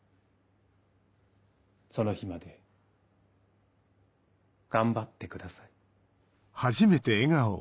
その日まで頑張ってください。